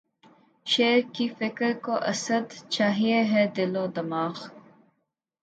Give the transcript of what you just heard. شعر کی فکر کو اسدؔ! چاہیے ہے دل و دماغ